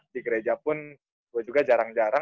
di gereja pun juga jarang jarang